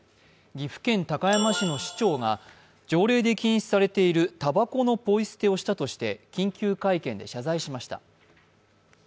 岐阜県高山市の市長が条例で禁止されているたばこのポイ捨てをしたとして緊急会見で謝罪しました。